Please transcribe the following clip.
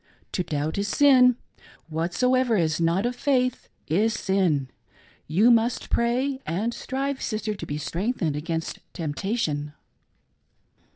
To doubt is sin: whatsoever is not of faith is sin. You must pray and strive, sister, to be strengthened against temptation."